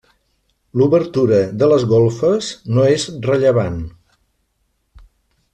L’obertura de les golfes no és rellevant.